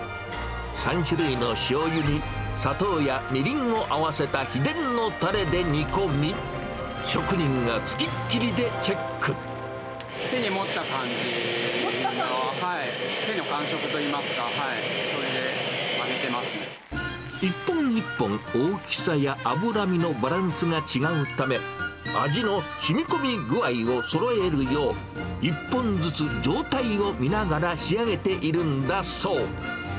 ３種類のしょうゆに砂糖やみりんを合わせた秘伝のたれで煮込み、手に持った感じの手の感触といいますか、一本一本、大きさや脂身のバランスが違うため、味のしみこみ具合をそろえるよう、１本ずつ状態を見ながら仕上げているんだそう。